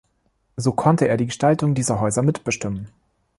So konnte er die Gestaltung dieser Häuser mitbestimmen.